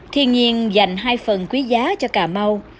thiên nhiên dành hai phần quý giá cho cà mau